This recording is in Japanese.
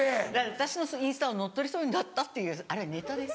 私のインスタを乗っ取りそうになったっていうあれはネタです。